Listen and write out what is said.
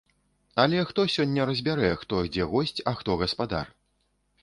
Але хто сёння разбярэ, хто дзе госць, а хто гаспадар.